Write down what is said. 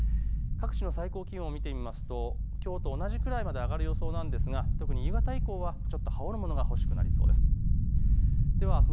各地の最高気温を見てみますときょうと同じくらいまで上がる予想なんですが特に夕方以降はちょっと羽織るものが欲しくなりそうです。